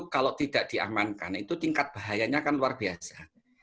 kalau tidak diamankan tingkat bahayanya akan luar biasa